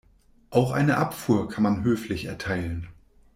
Auch eine Abfuhr kann man höflich erteilen.